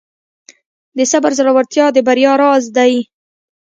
د صبر زړورتیا د بریا راز دی.